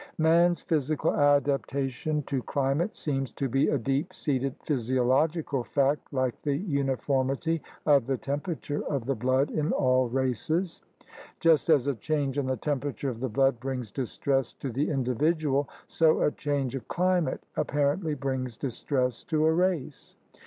Man's physical adapta tion to climate seems to be a deep seated physiologi cal fact like the uniformity of the temperature of the blood in all races. Just as a change in the temperature of the blood brings distress to the in dividual, so a change of climate apparently brings distress to a race.